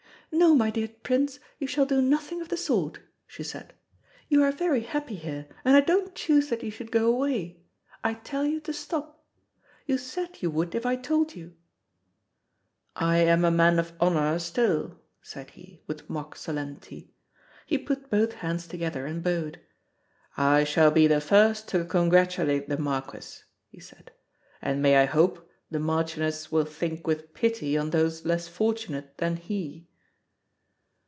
"No, my dear Prince, you shall do nothing of the sort," she said. "You are very happy here, and I don't choose that you should go away I tell you to stop. You said you would if I told you." "I am a man of honour still," said he, with mock solemnity. He put both hands together and bowed. "I shall be the first to congratulate the Marquis," he said, "and may I hope the Marchioness will think with pity on those less fortunate than he."